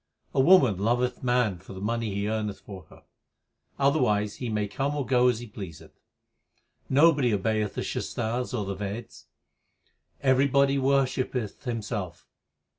A woman loveth man for the money he earneth for her ; Otherwise he may come or go as he pleaseth. Nobody obeyeth the Shastars or the Veds ; Everybody worshippeth himself.